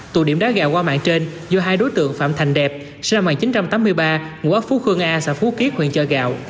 tù điểm đá gà qua mạng trên do hai đối tượng phạm thành đẹp sinh năm một nghìn chín trăm tám mươi ba ngũ ốc phú khương a xã phú kiếp huyện trà gạo